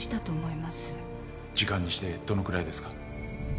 時間にしてどのくらいですか？